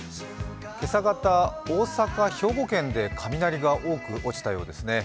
今朝方、大阪、兵庫県で雷が多く落ちたようですね。